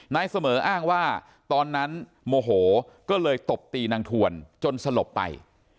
นายเสมออ้างว่าตอนนั้นโมโหก็เลยตบตีนางถวนจนสลบไป